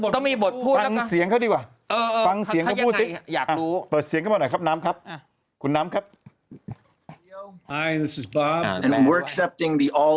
ต้องมีบทพูดนิดนึง